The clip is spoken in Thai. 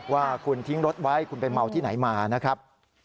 ว่าคุณทิ้งรถไว้คุณไปเมาที่ไหนมานะครับ